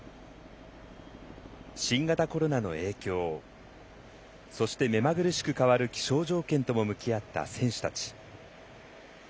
新型コロナの影響そして、目まぐるしく変わる気象条件とも向き合った選手たち。